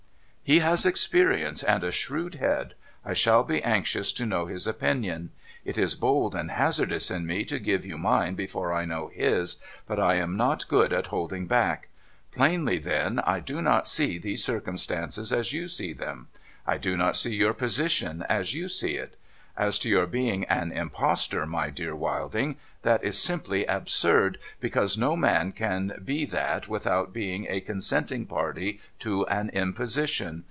' He has experience and a shrewd head ; I shall be anxious to know his opinion. It is bold and hazardous in me to give you mine before I know his, but I am not good at holding back. Plainly, then, I do not see these circumstances as you see them. I do not see your position as you see it. As to your being an Impostor, my dear Wilding, that is simply absurd, because no man can be that without being a consenting party to an imposition.